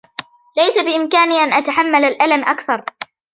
ليس بإمكاني أن أتحمل الألم أكثر.